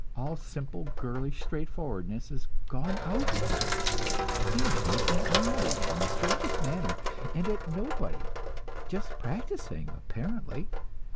All simple, girlish straightforwardness is gone out of them; they are making eyes, in the strangest manner and at nobody; just practicing, apparently.